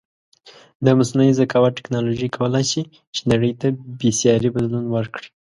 د مصنوعې زکاوت ټکنالوژی کولی شې چې نړی ته بیساری بدلون ورکړې